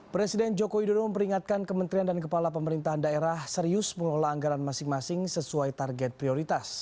presiden joko widodo memperingatkan kementerian dan kepala pemerintahan daerah serius mengelola anggaran masing masing sesuai target prioritas